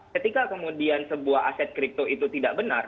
ketika kemudian sebuah aset kripto itu tidak benar